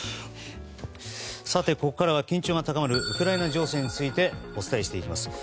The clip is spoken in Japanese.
ここからは緊張が高まるウクライナ情勢についてお伝えしていきます。